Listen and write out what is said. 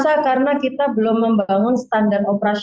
saya rasa karena kita belum membangun standar operasi